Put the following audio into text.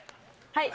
はい。